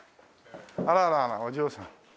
あらあらあらお嬢さん。